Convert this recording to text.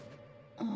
ああ。